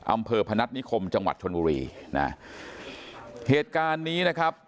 อำเภอพนัฐนิคมจังหวัดชนบุรีนะเหตุการณ์นี้นะครับ